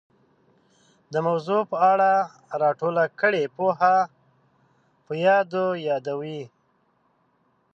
د موضوع په اړه را ټوله کړې پوهه په یادو یادوي